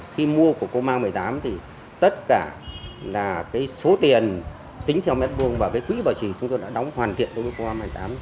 khi mua của cô mang một mươi tám thì tất cả là số tiền tính theo mét vuông và quỹ bảo trì chúng tôi đã đóng hoàn thiện với cô mang một mươi tám